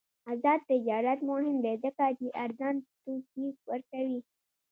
آزاد تجارت مهم دی ځکه چې ارزان توکي ورکوي.